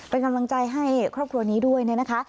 เป็นกำลังใจให้ครอบครัวนี้ด้วยเนี่ยนะคะ